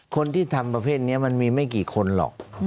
คนที่ทำประเภทนี้มันมีไม่กี่คนหรอก